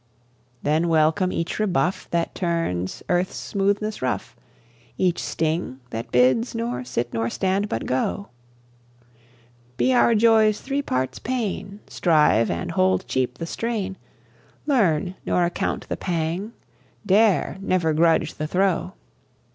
Then, welcome each rebuff That turns earth's smoothness rough, Each sting, that bids nor sit nor stand, but go! Be our joys three parts pain! Strive, and hold cheap the strain; Learn, nor account the pang; dare, never grudge the throe!